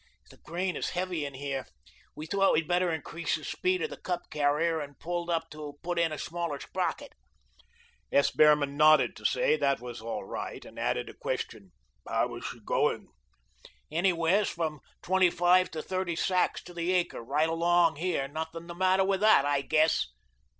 "The grain is heavy in here. We thought we'd better increase the speed of the cup carrier, and pulled up to put in a smaller sprocket." S. Behrman nodded to say that was all right, and added a question. "How is she going?" "Anywheres from twenty five to thirty sacks to the acre right along here; nothing the matter with THAT I guess."